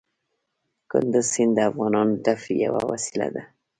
کندز سیند د افغانانو د تفریح یوه وسیله ده.